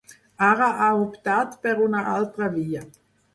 Ara ha optat per una altra via.